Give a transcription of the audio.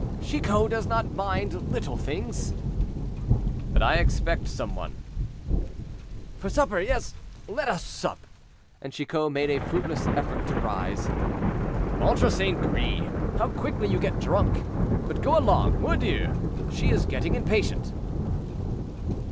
"Chicot does not mind little things." "But I expect some one." "For supper; yes, let us sup—" And Chicot made a fruitless effort to rise. "Ventre St. Gris! how quickly you get drunk. But go along, mordieu! she is getting impatient."